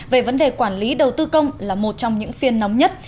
về vấn đề quản lý đầu tư công là một trong những phiên nóng nhất